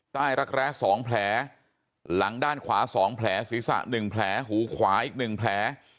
รักแร้๒แผลหลังด้านขวา๒แผลศีรษะ๑แผลหูขวาอีก๑แผล